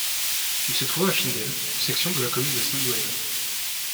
Il se trouve à Findel, section de la commune de Sandweiler.